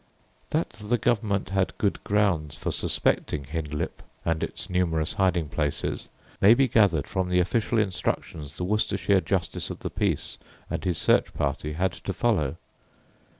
That the Government had good grounds for suspecting Hindlip and its numerous hiding places may be gathered from the official instructions the Worcestershire Justice of the Peace and his search party had to follow.